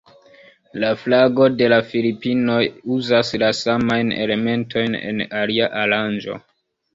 La flago de la Filipinoj uzas la samajn elementojn en alia aranĝo.